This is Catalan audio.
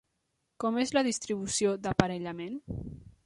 Com és la distribució d'aparellament?